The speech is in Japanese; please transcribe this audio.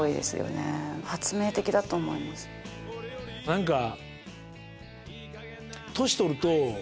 何か。